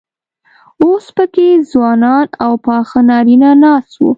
اوس پکې ځوانان او پاخه نارينه ناست وو.